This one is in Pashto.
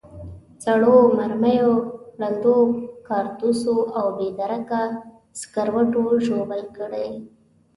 سړو مرمیو، ړندو کارتوسو او بې درکه سکروټو ژوبل کړي.